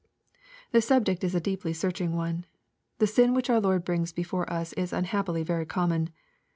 The subject is a deeply searching one. The sin which our Lord brings before us is unhappily very common.